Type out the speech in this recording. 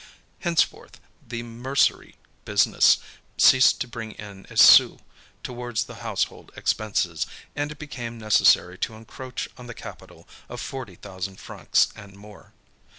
Henceforth, the mercery business ceased to bring in a sou towards the household expenses, and it became necessary to encroach on the capital of forty thousand francs and more.